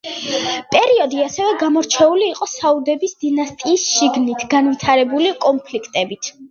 პერიოდი ასევე გამორჩეული იყო საუდების დინასტიის შიგნით განვითარებული კონფლიქტებით.